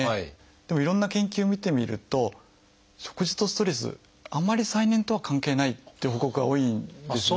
でもいろんな研究見てみると食事とストレスあんまり再燃とは関係ないという報告が多いんですね。